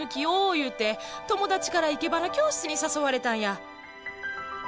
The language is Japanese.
ゆうて友達から生け花教室に誘われたんや。